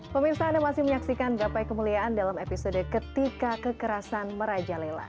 pemirsa anda masih menyaksikan gapai kemuliaan dalam episode ketika kekerasan merajalela